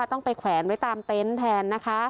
ต้องไปแขวนไว้ตามเต้นแทน